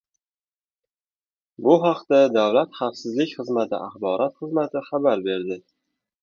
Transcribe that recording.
Bu haqda Davlat xavfsizlik xizmati axborot xizmati xabar berdi.